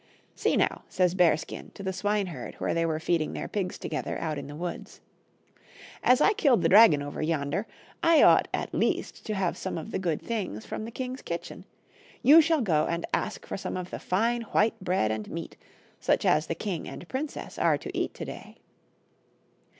"See now," says Bearskin to the swineherd where they were feeding their pigs together, out in the woods, " as I killed the dragon over yonder, I ought at least to have some of the good things from the king's kitchen ; you shall go and ask for some of the fine white bread and meat, such as the king and princess are to eat to day."